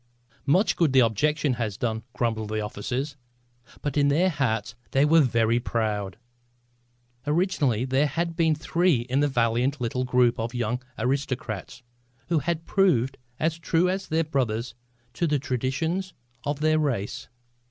"Much good the objecting has done!" grumbled the officers. But in their hearts they were very proud. Originally there had been three in this valiant little group of young aristocrats who have proved as true as their brothers to the traditions of their race.